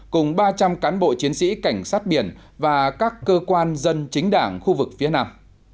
cùng ba trăm linh cán bộ chiến sĩ cảnh sát biển và các cơ quan dân chính đảng khu vực phía nam